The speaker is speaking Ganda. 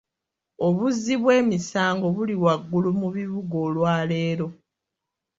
Obuzzi bw'emisango buli waggulu mu bibuga olwaleero.